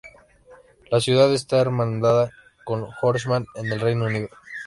La ciudad está hermanada con Horsham, en el Reino Unido.